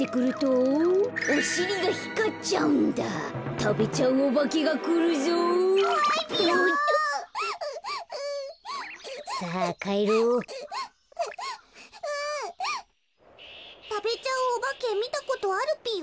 たべちゃうおばけみたことあるぴよ？